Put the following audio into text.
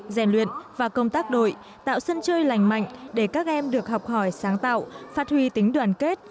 rèn luyện và công tác đội tạo sân chơi lành mạnh để các em được học hỏi sáng tạo phát huy tính đoàn kết